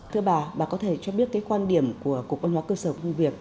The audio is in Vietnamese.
thưa bà bà có thể cho biết cái quan điểm của cục văn hóa cơ sở và công việc